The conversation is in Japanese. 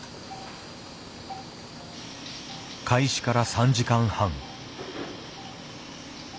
開始から３時間半。